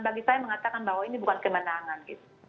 bagi saya mengatakan bahwa ini bukan kemenangan